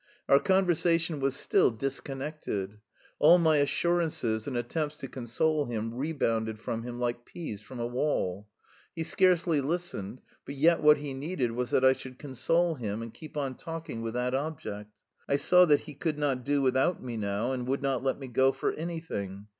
Our conversation was still disconnected. All my assurances and attempts to console him rebounded from him like peas from a wall. He scarcely listened, but yet what he needed was that I should console him and keep on talking with that object. I saw that he could not do without me now, and would not let me go for anything.